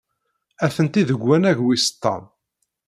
Atenti deg wannag wis ṭam.